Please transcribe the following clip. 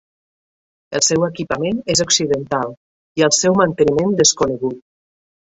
El seu equipament és occidental, i el seu manteniment desconegut.